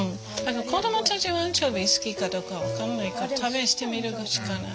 子どもたちはアンチョビ好きかどうか分かんないから試してみるしかない。